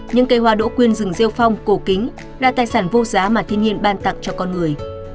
những cây hoa đỗ quyên rừng rêu phong cổ kính là tài sản vô giá mà thiên nhiên ban tặng cho con người